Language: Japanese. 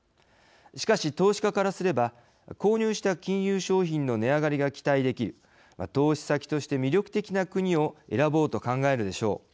しかし投資家からすれば購入した金融商品の値上がりが期待できる投資先として魅力的な国を選ぼうと考えるでしょう。